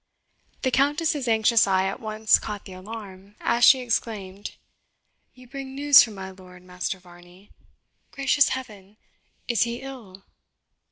The Countess's anxious eye at once caught the alarm, as she exclaimed, "You bring news from my lord, Master Varney Gracious Heaven! is he ill?"